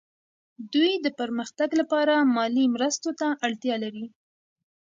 دوی د پرمختګ لپاره مالي مرستو ته اړتیا لري